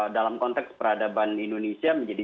dalam konteks peradaban indonesia menjadi